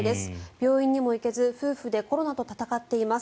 病院にも行けず夫婦でコロナと闘っています。